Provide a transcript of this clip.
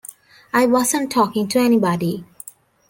I wasn't talking to anybody.